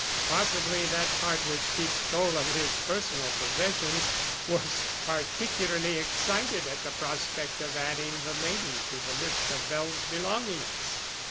Possibly that part which keeps toll of his personal possessions was particularly excited at the prospect of adding the lady to the list of Bell's belongings.